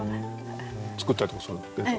作ったりとかするんですか？